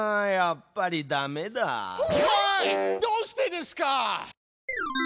どうしてですか！？